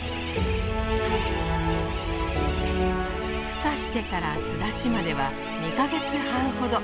ふ化してから巣立ちまでは２か月半ほど。